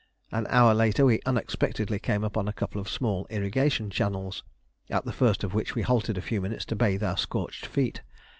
An hour later we unexpectedly came upon a couple of small irrigation canals, at the first of which we halted a few minutes to bathe our scorched feet.